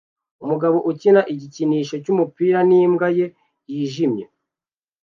Umugabo ukina igikinisho cyumupira nimbwa ye yijimye